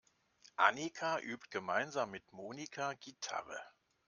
Annika übt gemeinsam mit Monika Gitarre.